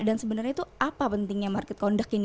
dan sebenernya itu apa pentingnya market conduct ini